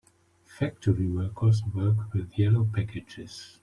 Factory workers work with yellow packages.